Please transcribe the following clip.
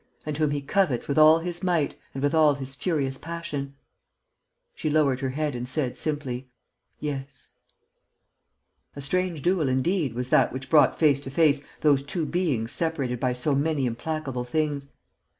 . and whom he covets with all his might and with all his furious passion...." She lowered her head and said, simply: "Yes." A strange duel indeed was that which brought face to face those two beings separated by so many implacable things!